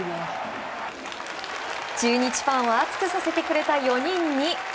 中日ファンを熱くさせてくれた４人に。